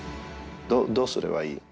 ど、どうすればいい？